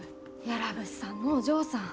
屋良物産のお嬢さん。